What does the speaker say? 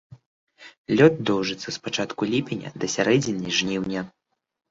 Лёт доўжыцца з пачатку ліпеня да сярэдзіны жніўня.